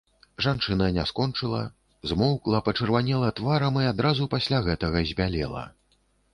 Жанчына не скончыла, змоўкла, пачырванела тварам і адразу пасля гэтага збялела.